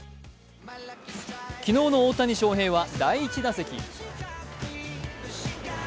昨日の大谷翔平は第１打席。